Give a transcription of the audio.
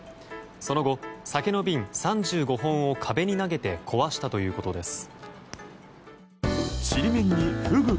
その後、酒の瓶３５本を壁に投げて壊したということです。